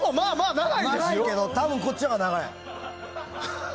長いけど多分こっちのほうが長い。